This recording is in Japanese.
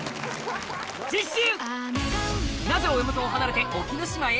次週！